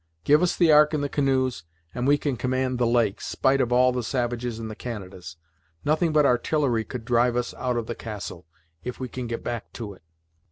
Give us the Ark and the canoes, and we can command the lake, spite of all the savages in the Canadas. Nothing but artillery could drive us out of the castle, if we can get back to it.